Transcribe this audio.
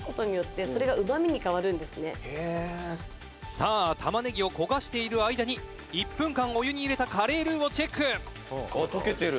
「さあ玉ねぎを焦がしている間に１分間お湯に入れたカレールーをチェック」あっ溶けてる。